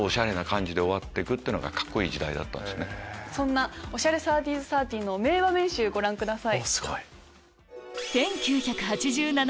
そんな『オシャレ３０・３０』の名場面集ご覧ください。